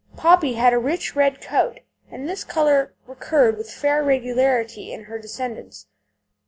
Poppy had a rich red coat, and this colour recurred with fair regularity in her descendants.